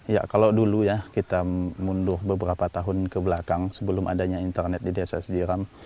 ya kalau dulu ya kita mundur beberapa tahun kebelakang sebelum adanya internet di desa sejiram